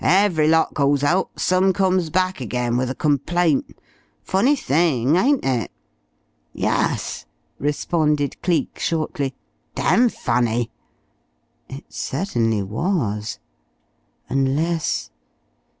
Every lot goes out, some comes back again with a complaint. Funny thing, ain't it?" "Yus," responded Cleek shortly. "Damn funny." It certainly was. Unless